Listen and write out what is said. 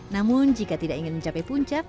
namun jika tidak ingin mencapai puncak